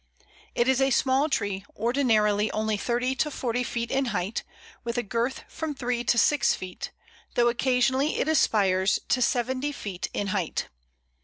It is a small tree ordinarily only thirty to forty feet in height, with a girth from three to six feet, though occasionally it aspires to seventy feet in height.